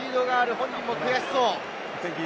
本人も悔しそう。